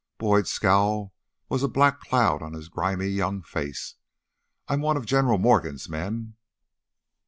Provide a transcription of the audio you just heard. Boyd's scowl was a black cloud on his grimy young face. "I'm one of General Morgan's men."